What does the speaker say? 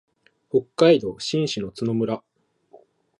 北海道新篠津村